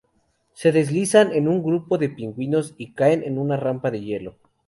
Se deslizan en un grupo de Pingüinos y caen en una rampa de hielo.